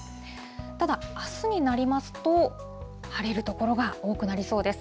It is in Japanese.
ただ、あすになりますと、晴れる所が多くなりそうです。